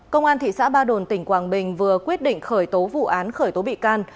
công an thị xã ba đồn tỉnh quảng bình vừa quyết định khởi tố vụ án khởi tố bị can